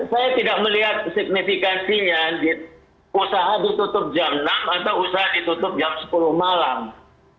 saya tidak melihat signifikansinya usaha ditutup jam enam atau usaha ditutup jam sepuluh malam